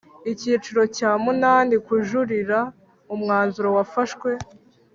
Icyiciro cya munani Kujuririra umwanzuro wafashwe